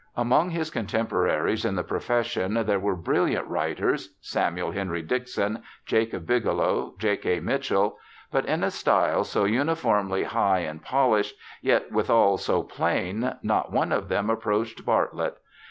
Among his contemporaries in the profession there were brilliant writers — Samuel Henry Dickson, Jacob Bigelow, J. K. Mitchell—but in a style so uniformly high and polished. I40 BIOGRAPHICAL ESSAYS yet withal so plain, not one of them approached Bartlett.